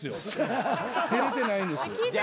出れてないんです。